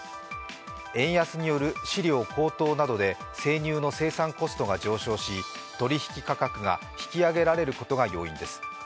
円安による飼料高騰などで生乳の生産コストが上昇し取引価格が引き上げられることが要因です。